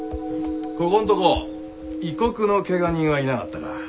ここんとこ異国のけが人はいなかったか？